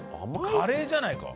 カレーじゃないか？